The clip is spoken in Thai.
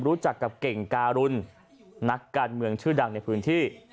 รู้จักกับเก่งการุณนักการเมืองชื่อดังในพื้นที่